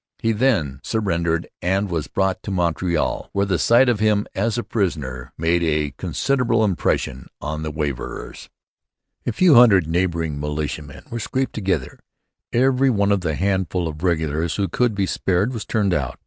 He then surrendered and was brought into Montreal, where the sight of him as a prisoner made a considerable impression on the waverers. A few hundred neighbouring militiamen were scraped together. Every one of the handful of regulars who could be spared was turned out.